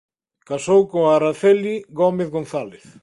Casou con Araceli Gómez González.